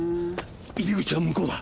入り口は向こうだ。